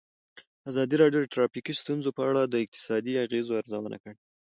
ازادي راډیو د ټرافیکي ستونزې په اړه د اقتصادي اغېزو ارزونه کړې.